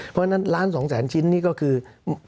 สำหรับกำลังการผลิตหน้ากากอนามัย